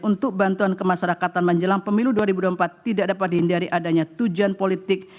untuk bantuan kemasyarakatan menjelang pemilu dua ribu dua puluh empat tidak dapat dihindari adanya tujuan politik